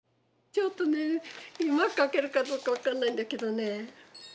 ちょっとねうまく描けるかどうか分かんないんだけどね。